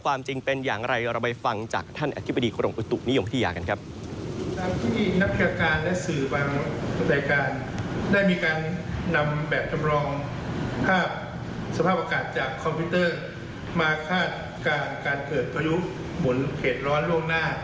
ว่าการเกิดพายุหมุนเหตุร้อนล่วงหน้า